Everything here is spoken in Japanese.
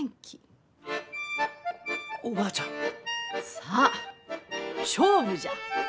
さあ勝負じゃ！